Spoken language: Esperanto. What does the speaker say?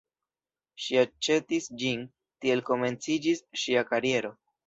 Ŝi aĉetis ĝin, tiel komenciĝis ŝia kariero.